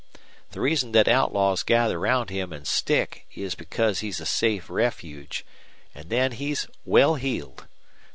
The reason thet outlaws gather round him an' stick is because he's a safe refuge, an' then he's well heeled.